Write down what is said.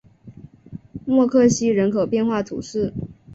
默克西人口变化图示